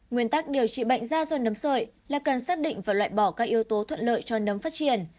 nguyên tắc điều trị bệnh da dồn nấm sợi là cần xác định và loại bỏ các yếu tố thuận lợi cho nấm phát triển